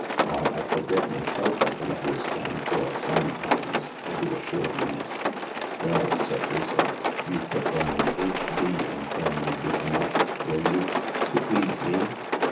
Why, I forget myself what the letters stand for sometimes, I do assure you, miss." "Well," said Lucilla, "you put down H.D., and then you give him up. Will you ? To please me